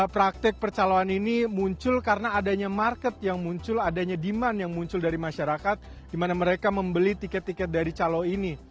praktek percaloan ini muncul karena adanya market yang muncul adanya demand yang muncul dari masyarakat di mana mereka membeli tiket tiket dari calo ini